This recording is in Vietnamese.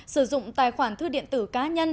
sử dụng tài khoản thư điện tử cá nhân